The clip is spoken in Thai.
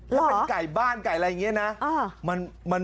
ถ้าเป็นไก่บ้านไก่อะไรอย่างนี้นะ